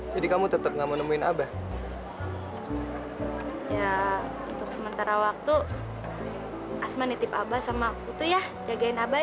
jadi kamu tetap nggak menemuin abah ya untuk sementara waktu asma nitip abah sama kutu ya jagain abah ya